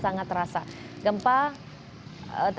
dengan awal cepat